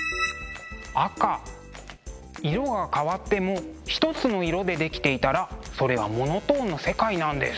色が変わってもひとつの色で出来ていたらそれはモノトーンの世界なんです。